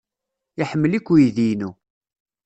Iḥemmel-ik uydi-inu.